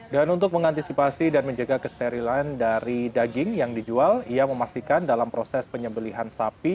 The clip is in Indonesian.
dan untuk mengantisipasi dan menjaga kesterilan dari daging yang dijual ia memastikan dalam proses penyembelihan sapi